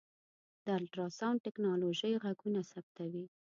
د الټراسونډ ټکنالوژۍ غږونه ثبتوي.